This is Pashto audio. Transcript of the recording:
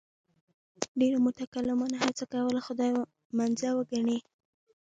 ډېرو متکلمانو هڅه کوله خدای منزه وګڼي.